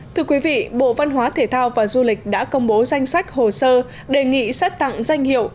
thưa quý vị bộ văn hóa thể thao và du lịch đã công bố danh sách hồ sơ đề nghị xét tặng danh hiệu